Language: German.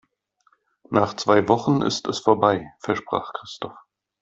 Nach zwei Wochen ist es vorbei, versprach Christoph.